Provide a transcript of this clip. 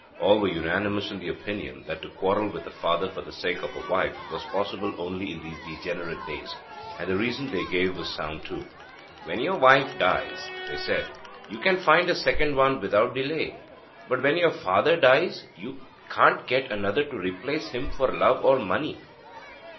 All were unanimous in the opinion that to quarrel with a father for the sake of a wife was possible only in these degenerate days. And the reason they gave was sound too. 'When your wife dies,' they said, 'you can find a second one without delay. But when your father dies, you can't get another to replace him for love or money.'